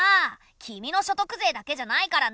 君の所得税だけじゃないからね。